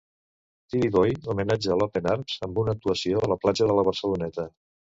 TVBoy homenatja l'Open Arms amb una actuació a la platja de la Barceloneta.